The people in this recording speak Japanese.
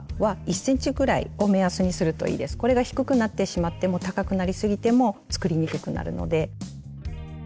これが低くなってしまっても高くなりすぎても作りにくくなるので。